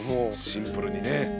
シンプルにね。